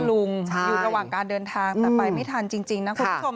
อยู่ระหว่างการเดินทางแต่ไปไม่ทันจริงนะคุณผู้ชม